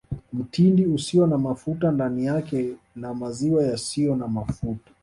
Mtindi usio na mafuta ndani yake na maziwa yasiyo na mafuta